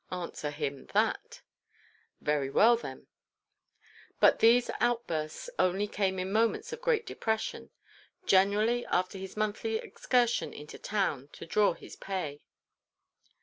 Answer him that! Very well, then. But these outbursts only came in moments of great depression; generally after his monthly excursion into town to draw his pay.